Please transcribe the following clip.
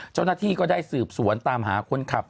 เจ้าหน้าที่ก็ได้สืบสวนตามหาคนขับ